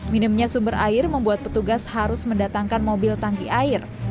minimnya sumber air membuat petugas harus mendatangkan mobil tangki air